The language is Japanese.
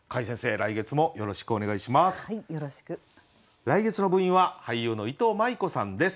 来月の部員は俳優のいとうまい子さんです。